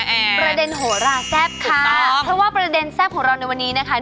ประเด็นโหราแซ่บค่ะอ่าเพราะว่าประเด็นแซ่บของเราในวันนี้นะคะ